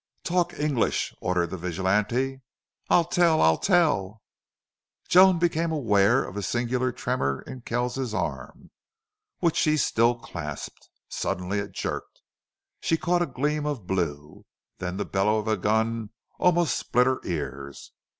"Talk English!" ordered the vigilante. "I'll tell! I'll tell!" Joan became aware of a singular tremor in Kells's arm, which she still clasped. Suddenly it jerked. She caught a gleam of blue. Then the bellow of a gun almost split her ears.